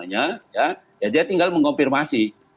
ya dia tinggal mengonfirmasi